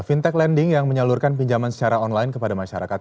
fintech lending yang menyalurkan pinjaman secara online kepada masyarakat